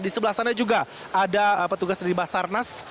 di sebelah sana juga ada petugas dari basarnas